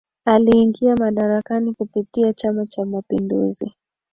Aliingia madarakani kupitia chama Cha Mapinduzi